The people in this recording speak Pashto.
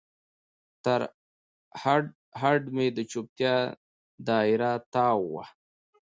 تر هډ، هډ مې د چوپتیا دا یره تاو وه